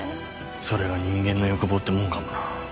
それが人間の欲望ってもんかもな。